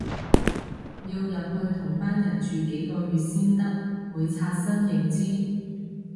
要入去同班人住幾個月先得，會刷新認知